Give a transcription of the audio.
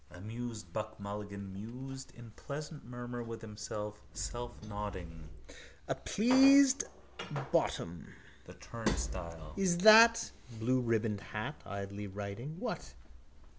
Amused Buck Mulligan mused in pleasant murmur with himself, selfnodding: —A pleased bottom. The turnstile. Is that?... Blueribboned hat... Idly writing... What?